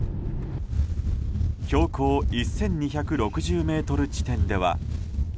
標高１２６０ｍ地点では。